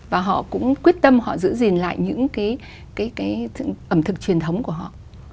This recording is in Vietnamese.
và họ cũng quyết tâm họ giữ gìn lại những cái ẩm thực truyền thống của họ